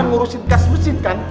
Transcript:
ntar ngurusin kas mesin kan